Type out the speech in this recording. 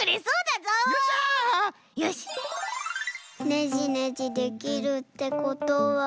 ねじねじできるってことは。